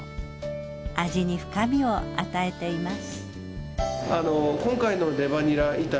味に深みを与えています。